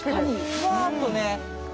ふわっとね。